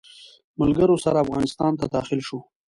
ملګرو سره افغانستان ته داخل شو.